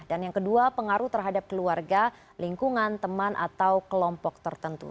dan yang kedua pengaruh terhadap keluarga lingkungan teman atau kelompok tertentu